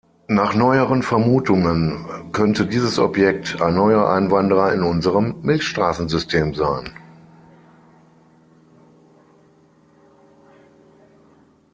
Nach neueren Vermutungen könnte dieses Objekt ein „neuer Einwanderer“ in unserem Milchstraßensystem sein.